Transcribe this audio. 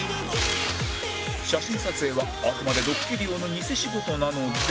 写真撮影はあくまでドッキリ用の偽仕事なので